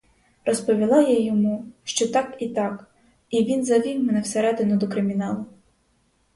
Розповіла я йому, що так і так, і він завів мене всередину до криміналу.